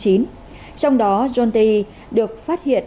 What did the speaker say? trong đó john taiji được phát hiện